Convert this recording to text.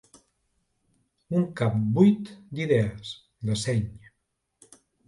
Un cap buit d'idees, de seny.